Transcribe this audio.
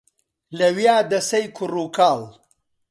لەویا دەسەی کوڕ و کاڵ